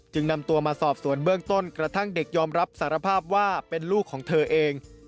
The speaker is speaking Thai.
นำตัวมาสอบสวนเบื้องต้นกระทั่งเด็กยอมรับสารภาพว่าเป็นลูกของเธอเอง